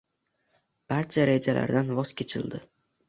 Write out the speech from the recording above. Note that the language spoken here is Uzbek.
Barcha rejalaridan voz kechildi.